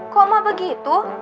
kok emak begitu